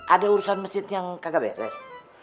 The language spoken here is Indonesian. ada urusan masjid yang kagak beres